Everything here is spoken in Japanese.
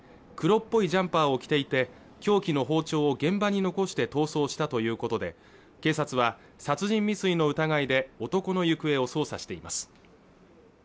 黒っぽいジャンパーを着ていて凶器の包丁を現場に残して逃走したということで警察は殺人未遂の疑いで男の行方を捜査しています